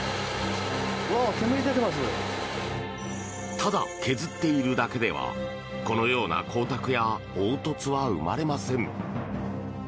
ただ削っているだけではこのような光沢や凹凸は生まれません。